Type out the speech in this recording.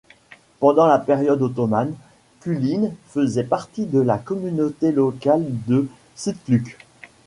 Pendant la période ottomane, Culine faisait partie de la communauté locale de Čitluk.